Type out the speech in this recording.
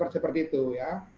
seperti itu ya